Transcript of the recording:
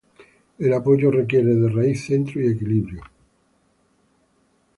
El apoyo requiere de raíz, centro y equilibrio.